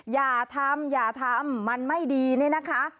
อย่าทำอย่าทำมันไม่ดีนี่นะคะ